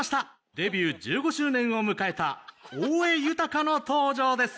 ・・デビュー１５周年を迎えた大江裕の登場です！